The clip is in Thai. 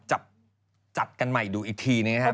จับกันใหม่ดูอีกทีนี่มั้ยค่ะ